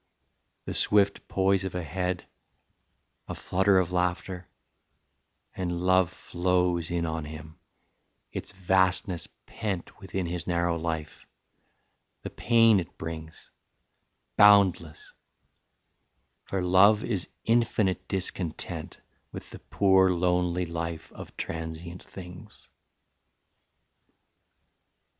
The swift poise of a head, a flutter of laughter And love flows in on him, its vastness pent Within his narrow life: the pain it brings, Boundless; for love is infinite discontent With the poor lonely life of transient things.